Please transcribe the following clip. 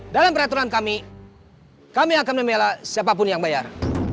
dalam peraturan kami kami akan membela siapapun yang bayar